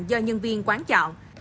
do nhân viên quán chọn